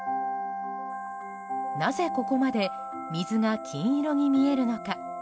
なぜここまで水が金色に見えるのか。